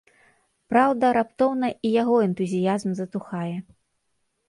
Праўда, раптоўна і яго энтузіязм затухае.